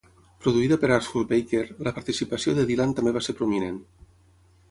Produïda per Arthur Baker, la participació de Dylan també va ser prominent.